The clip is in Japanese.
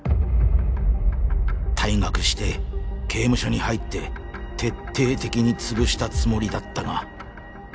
退学して刑務所に入って徹底的に潰したつもりだったが